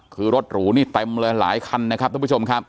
คือรถหรูเนี่ยเต็มหลายคันนะครับท่านผู้ชม